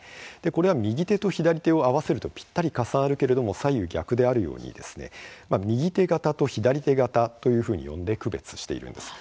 これは右手と左手を合わせるとぴったり重なるけれども左右逆であるように右手型と左手型というふうに呼んで区別しているんです。